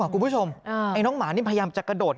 คุณผู้ชมไอ้น้องหมานี่พยายามจะกระโดด